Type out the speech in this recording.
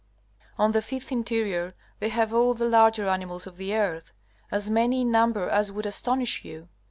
On the fifth interior they have all the larger animals of the earth, as many in number as would astonish you.